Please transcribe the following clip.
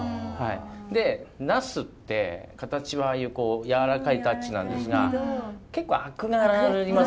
でナスって形はああいうこうやわらかいタッチなんですが結構アクがありますよね。